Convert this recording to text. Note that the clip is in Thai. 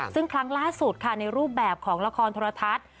ซึ่งครั้งล่าสุดค่ะในรูปแบบของละครโทรทัศน์